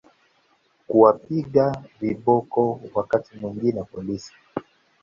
kuwapiga viboko Wakati mwingine polisi